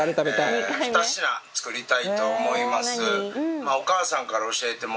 ２品作りたいと思います。